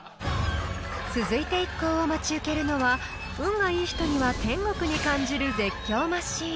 ［続いて一行を待ち受けるのは運がいい人には天国に感じる絶叫マシン］